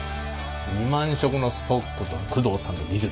２万色のストックと工藤さんの技術